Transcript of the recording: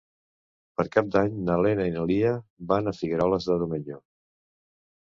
Per Cap d'Any na Lena i na Lia van a Figueroles de Domenyo.